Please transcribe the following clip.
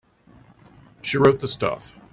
She wrote the stuff.